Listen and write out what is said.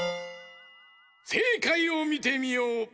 せいかいをみてみよう！